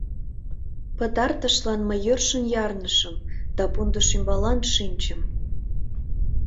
Пытартышлан мый йӧршын ярнышым да пундыш ӱмбалан шинчым.